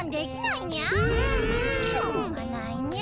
しょうがないにゃ。